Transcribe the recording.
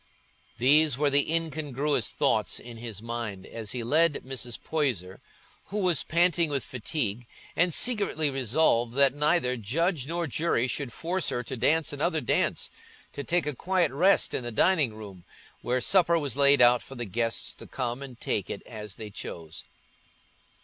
These were the incongruous thoughts in his mind as he led Mrs. Poyser, who was panting with fatigue, and secretly resolving that neither judge nor jury should force her to dance another dance, to take a quiet rest in the dining room, where supper was laid out for the guests to come and take it as they chose.